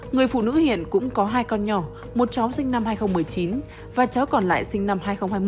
người phụ nữ hiện cũng có hai con nhỏ một cháu sinh năm hai nghìn một mươi chín và cháu còn lại sinh năm hai nghìn hai mươi